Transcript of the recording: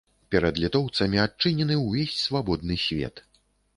Перад літоўцамі адчынены ўвесь свабодны свет.